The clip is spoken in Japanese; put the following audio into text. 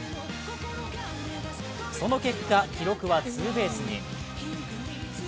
その結果、記録はツーベースに。